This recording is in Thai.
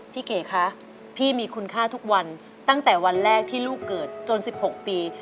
เก๋คะพี่มีคุณค่าทุกวันตั้งแต่วันแรกที่ลูกเกิดจน๑๖ปี